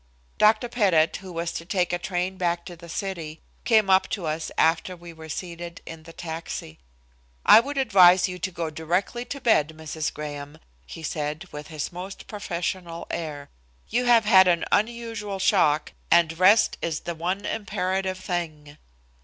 Dr. Pettit, who was to take a train back to the city, came up to us after we were seated in the taxi: "I would advise that you go directly to bed, Mrs. Graham," he said, with his most professional air. "You have had an unusual shock, and rest is the one imperative thing."